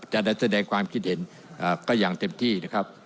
แต่แสดงความคิดเห็นก็ยังเต็มที่นะครับ